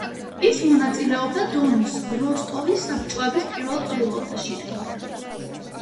ის მონაწილეობდა დონის როსტოვის საბჭოების პირველ ყრილობაში.